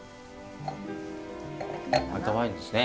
赤ワインですね。